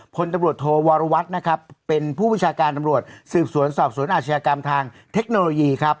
พลตำรวจโทวรวัตรนะครับเป็นผู้ประชาการตำรวจสืบสวนสอบสวนอาชญากรรมทางเทคโนโลยีครับ